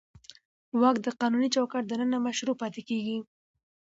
واک د قانوني چوکاټ دننه مشروع پاتې کېږي.